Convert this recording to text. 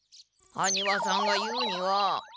ハニワさんが言うには。